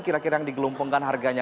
kira kira yang digelumpongkan harganya